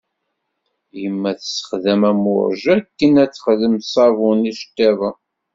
Yemma tsexdam amuṛej akken ad texdem ṣṣabun n yiceṭṭiḍen.